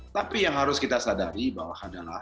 tapi yang harus kita sadari bahwa adalah